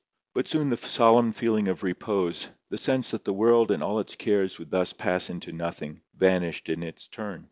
But soon the solemn feeling of repose, the sense that the world and all its cares would thus pass into nothing, vanished in its turn.